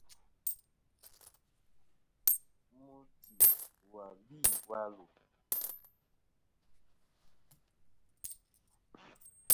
Mùtɨ wù gvi wà lu.